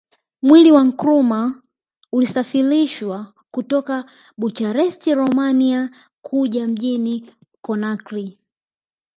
Mwili wa Nkrumah ukasafirishwa kutoka Bucharest Romania Kuja mjini Conakry